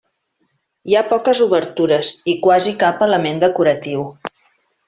Hi ha poques obertures i quasi cap element decoratiu.